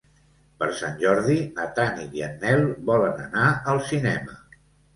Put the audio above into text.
Per Sant Jordi na Tanit i en Nel volen anar al cinema.